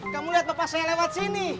kamu lihat bapak saya lewat sini